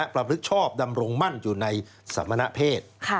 ประพฤกษชอบดำรงมั่นอยู่ในสมณเพศ